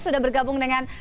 sudah bergabung dengan